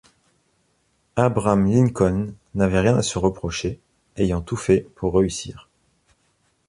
Abraham-Lincoln n’avait rien à se reprocher, ayant tout fait pour réussir.